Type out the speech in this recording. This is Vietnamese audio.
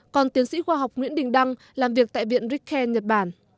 còn tiến sĩ khoa học nguyễn đình đăng làm việc tại viện rickhen nhật bản